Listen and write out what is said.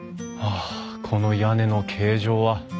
あこの屋根の形状は。